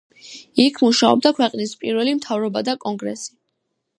იქ მუშაობდა ქვეყნის პირველი მთავრობა და კონგრესი.